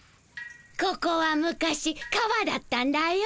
ここは昔川だったんだよ。